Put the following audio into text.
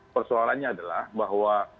persoalannya adalah bahwa